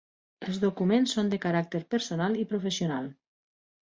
Els documents són de caràcter personal i professional.